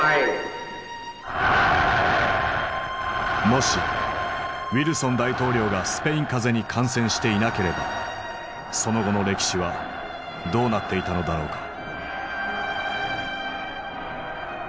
もしウィルソン大統領がスペイン風邪に感染していなければその後の歴史はどうなっていたのだろうか。